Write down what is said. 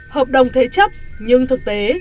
hợp đồng thế chấp nhưng thực tế